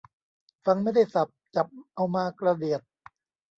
ฟังไม่ได้ศัพท์ จับเอามากระเดียด